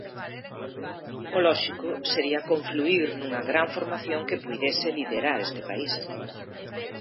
O lóxico sería confluír nunha gran formación que puidese liderar este país.